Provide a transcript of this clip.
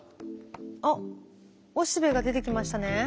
あっおしべが出てきましたね。